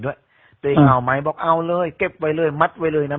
ตัวเองเอาไหมบอกเอาเลยเก็บไว้เลยมัดไว้เลยนะ